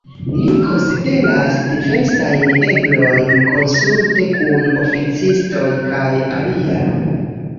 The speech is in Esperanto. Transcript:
Ni konsideras diversajn eblojn konsulte kun oficistoj kaj aliaj.